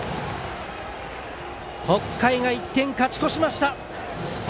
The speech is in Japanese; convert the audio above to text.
北海が１点勝ち越しました。